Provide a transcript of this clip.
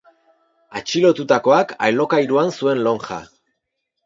Atxilotutakoak alokairuan zuen lonja.